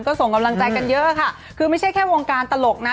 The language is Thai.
ก็ส่งกำลังใจกันเยอะค่ะคือไม่ใช่แค่วงการตลกนะ